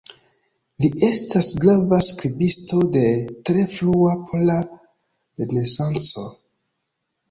Li estas grava skribisto de tre frua pola renesanco.